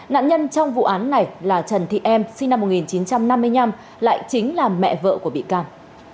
nạn nhân trong vụ án này là trần thị em sinh năm một nghìn chín trăm năm mươi năm lại chính là mẹ vợ của bị can